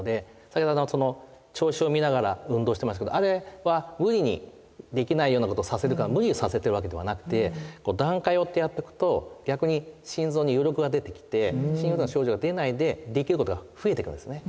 先程あのその調子を見ながら運動してますけどあれは無理にできないようなことさせるから無理をさせてるわけではなくて段階を追ってやってくと逆に心臓に余力が出てきて心不全の症状が出ないでできることが増えてくんですね。